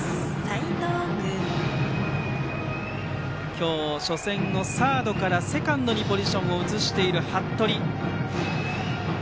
今日は初戦のサードからセカンドにポジションを移している八鳥。